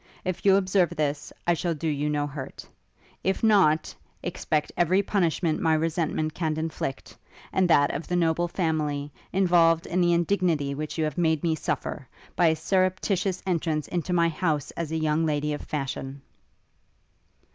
If you observe this, I shall do you no hurt; if not, expect every punishment my resentment can inflict, and that of the noble family, involved in the indignity which you have made me suffer, by a surreptitious entrance into my house as a young lady of fashion.'